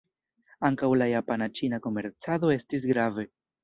Ankaŭ la japana-ĉina komercado estis grave.